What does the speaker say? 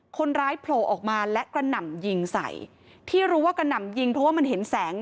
คนร้ายโผล่ออกมาและกระหน่ำยิงใส่ที่รู้ว่ากระหน่ำยิงเพราะว่ามันเห็นแสง